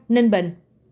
hai ninh bệnh